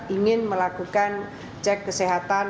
ingin melakukan cek kesehatan